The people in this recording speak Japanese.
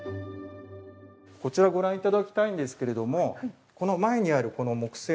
こちらご覧頂きたいんですけれども前にあるこの木製のカメラ。